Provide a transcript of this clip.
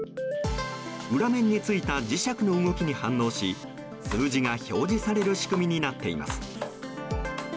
裏面に付いた磁石の動きに反応し数字が表示される仕組みになっています。